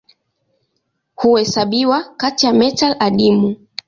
Huhesabiwa kati ya metali adimu.